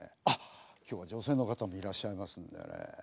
あっ今日は女性の方もいらっしゃいますんでね。